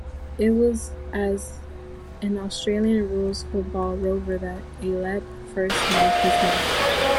It was as an Australian rules football rover that Aylett first made his mark.